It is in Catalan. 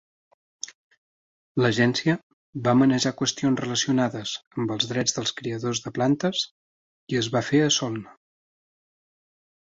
L'Agència va manejar qüestions relacionades amb els drets dels criadors de plantes, i es va fer a Solna.